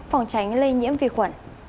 phòng tránh lây nhiễm vi khuẩn